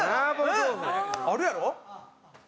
あるやろ？